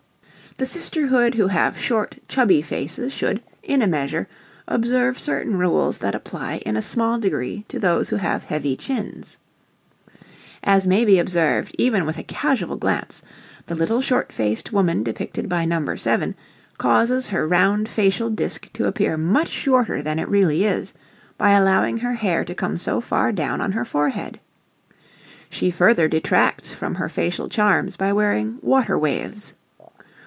The sisterhood who have short, chubby faces should, in a measure, observe certain rules that apply in a small degree to those who have heavy chins. As may be observed even with a casual glance, the little short faced woman depicted by No. 7, causes her round facial disk to appear much shorter than it really is by allowing her hair to come so far down on her forehead. She further detracts from her facial charms by wearing "water waves."